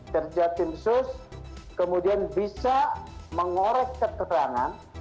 kerja tim sus kemudian bisa mengorek keterangan